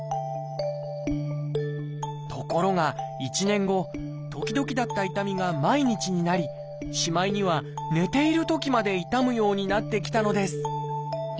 ところが１年後時々だった痛みが毎日になりしまいには寝ているときまで痛むようになってきたのです